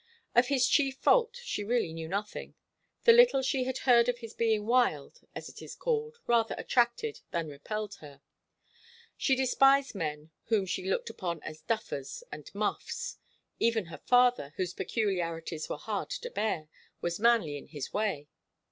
Of his chief fault she really knew nothing. The little she had heard of his being wild, as it is called, rather attracted than repelled her. She despised men whom she looked upon as 'duffers' and 'muffs.' Even her father, whose peculiarities were hard to bear, was manly in his way.